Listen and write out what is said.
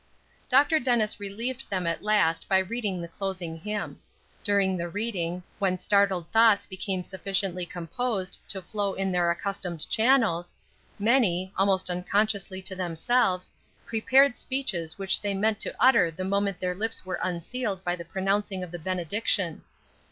Dr. Dennis relieved them at last by reading the closing hymn. During the reading, when startled thoughts became sufficiently composed to flow in their accustomed channels, many, almost unconsciously to themselves, prepared speeches which they meant to utter the moment their lips were unsealed by the pronouncing of the benediction.